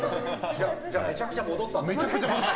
じゃあめちゃくちゃ戻ったんだ。